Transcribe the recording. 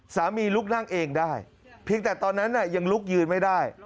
ลุกนั่งเองได้เพียงแต่ตอนนั้นยังลุกยืนไม่ได้